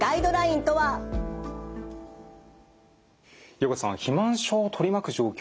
横手さん肥満症を取り巻く状況